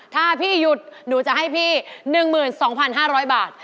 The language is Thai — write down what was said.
ถ้าพี่หยุดหนูจะให้พี่๑๒๕๐๐บาท